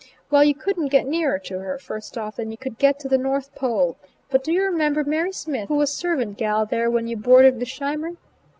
Well, you could'n't get nearer to her, first off, than you could to the North Pole; but do you remember Mary Smith who was servant gal, there when you boarded with Scheimer?"